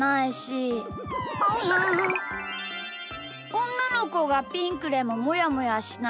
おんなのこがピンクでももやもやしない。